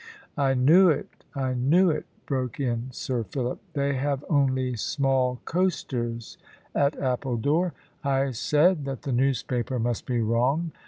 "I knew it; I knew it," broke in Sir Philip. "They have only small coasters at Appledore. I said that the newspaper must be wrong.